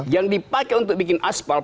yang dipakai untuk bikin aspal